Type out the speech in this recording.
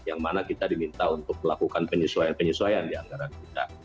yang mana kita diminta untuk melakukan penyesuaian penyesuaian di anggaran kita